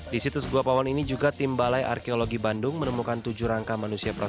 di situs guapawon ini juga tim balai arkeologi bandung menemukan tujuh rangka manusia